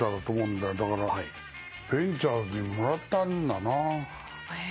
だからベンチャーズにもらったんだな。